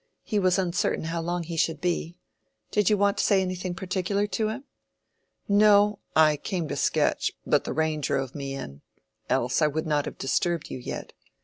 He was uncertain how long he should be. Did you want to say anything particular to him?" "No; I came to sketch, but the rain drove me in. Else I would not have disturbed you yet.